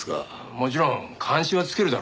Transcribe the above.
もちろん監視は付けるだろうがな。